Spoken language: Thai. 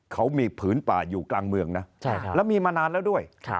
เขามีผืนป่าอยู่กลางเมืองนะแล้วมีมานานแล้วด้วย